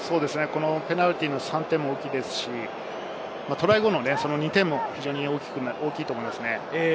ペナルティーの３点も大きいですし、トライの後の２点も大きいと思います。